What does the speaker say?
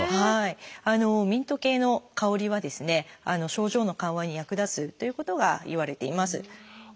ミント系の香りはですね症状の緩和に役立つということがいわれています。